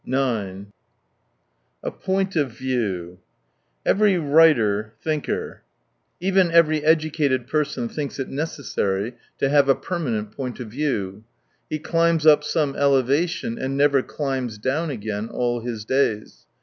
9 A point of view. — Every writer, thinker — even every educated person thinks it necessary to have a permanent point of view. He climbs up some elevation and never climbs down again all his days.